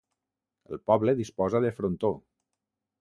El poble disposa de frontó.